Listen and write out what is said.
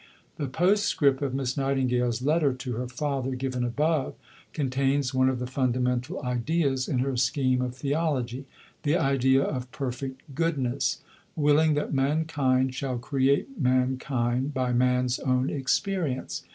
The postscript of Miss Nightingale's letter to her father, given above, contains one of the fundamental ideas in her scheme of theology the idea of Perfect Goodness, willing that mankind shall create mankind by man's own experience.